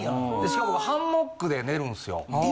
しかもハンモックで寝るんすよ。